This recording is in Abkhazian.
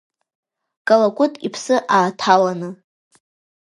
Калакәыт иԥсы ааҭаланы.